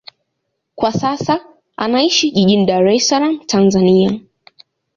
Kwa sasa anaishi jijini Dar es Salaam, Tanzania.